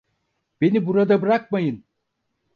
Beni burada bırakmayın!